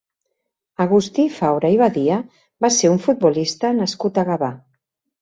Agustí Faura i Badia va ser un futbolista nascut a Gavà.